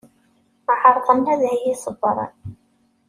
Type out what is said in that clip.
Ɛerḍen ad iyi-ṣebbren.